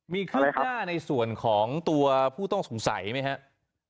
มีความคืบหน้าในส่วนของตัวผู้ต้องสงสัยไหมครับ